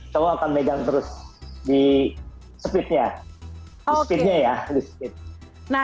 cowok akan pegang terus di speed nya